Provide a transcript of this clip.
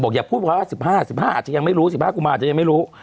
บอกอย่าพูดพอล่ะ๑๕๑๕อาจจะยังไม่รู้๑๕กุมภาคมอาจจะยังไม่รู้